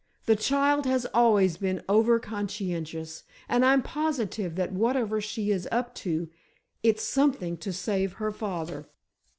The child has always been overconscientious—and I'm positive that whatever she is up to, it's something to save her father!"